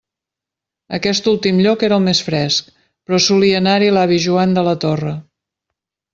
Aquest últim lloc era el més fresc, però solia anar-hi l'avi Joan de la Torre.